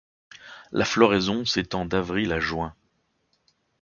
La floraison s'étend d'avril à juin.